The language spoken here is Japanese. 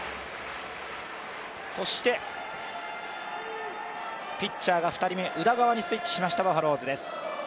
そしてピッチャーが２人目宇田川にスイッチしましたバファローズです。